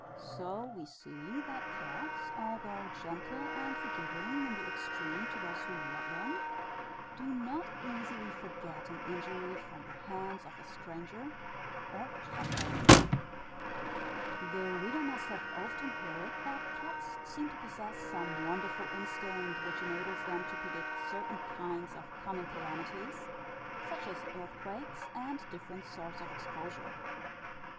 So we see that cats, although gentle and forgiving in the extreme to those who love them, do not easily forget an injury from the hands of a stranger or cat hater. (See Note W, Addenda.) The reader must have often heard that cats seem to possess some wonderful instinct which enables them to predict certain kinds of coming calamities, such as earthquakes, and different sorts of explosion.